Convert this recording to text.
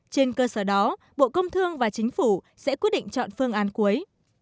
trên cơ sở đó bộ công thương và chính phủ sẽ quyết định chọn phương án cuối